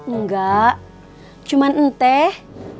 enggak cuma enteh